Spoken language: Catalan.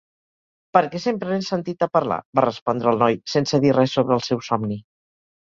"Perquè sempre n'he sentit a parlar", va respondre el noi, sense dir res sobre el seu somni.